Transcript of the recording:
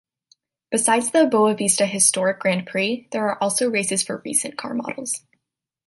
Besides the Boavista Historic Grand Prix, there are also races for recent car models.